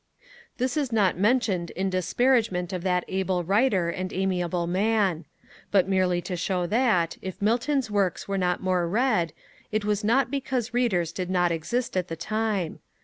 This is not mentioned in disparagement of that able writer and amiable man; but merely to show that, if Milton's Works were not more read, it was not because readers did not exist at the time.